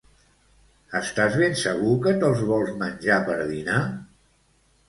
Estàs ben segur que te'l vols menjar per dinar?